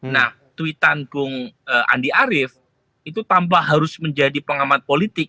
nah tweetan bung andi arief itu tanpa harus menjadi pengamat politik